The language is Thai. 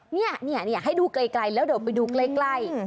นี่ให้ดูไกลแล้วเดี๋ยวไปดูใกล้